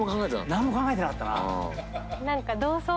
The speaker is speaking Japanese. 何も考えてなかったな。